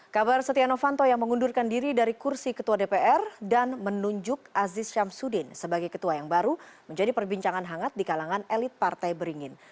kabar setia novanto yang mengundurkan diri dari kursi ketua dpr dan menunjuk aziz syamsuddin sebagai ketua yang baru menjadi perbincangan hangat di kalangan elit partai beringin